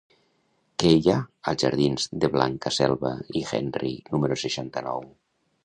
Què hi ha als jardins de Blanca Selva i Henry número seixanta-nou?